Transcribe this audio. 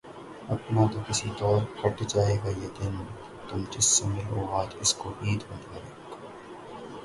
اپنا تو کسی طور کٹ جائے گا یہ دن، تم جس سے ملو آج اس کو عید مبارک